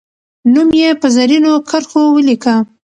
نوم یې په زرینو کرښو ولیکه.